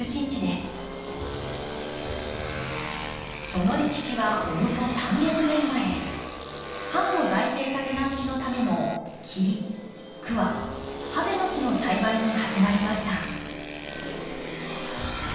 その歴史はおよそ３００年前藩の財政立て直しのための桐桑櫨の木の栽培に始まりました。